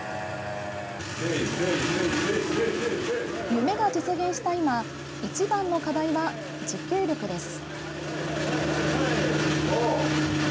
夢が実現した今一番の課題は持久力です。